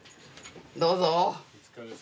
どうぞ！